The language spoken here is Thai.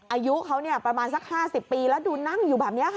อายุเขาประมาณสัก๕๐ปีแล้วดูนั่งอยู่แบบนี้ค่ะ